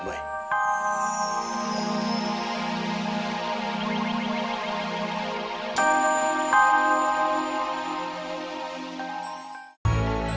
sama seperti mama kamu